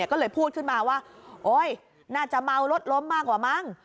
ก็เลยพูดขึ้นมาว่าโอ๊ยน่าจะเมารถล้มมากกว่ามั้ง